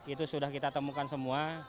itu sudah kita temukan semua